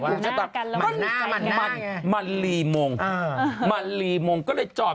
แต่เราก็ห้ามแล้วว่าไม่ให้ตีกันคือเอาง่ายไปที่คุณป้าคนแรกเขาบอก